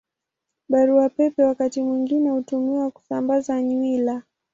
Barua Pepe wakati mwingine hutumiwa kusambaza nywila.